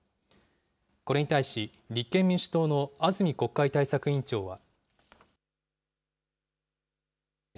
これに対し、立憲民主党の安住国会対策委員長は。